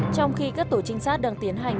trong khi các tổ trinh sát đang tiến hành